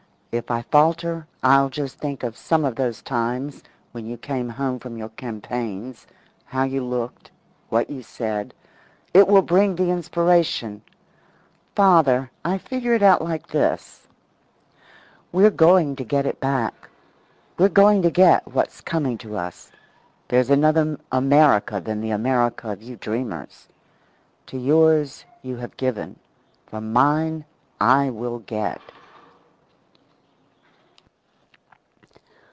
If I falter I'll just think of some of those times when you came home from your campaigns how you looked what you said. It will bring the inspiration. Father, I figure it out like this. We're going to get it back. We're going to get what's coming to us. There's another America than the America of you dreamers. To yours you have given; from mine I will get.